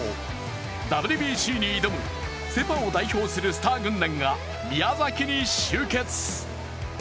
ＷＢＣに挑むセ・パを代表するスター軍団が宮崎に集結。